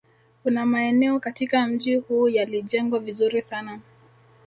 Kuna maeneo katika mji huu yalijengwa vizuri sana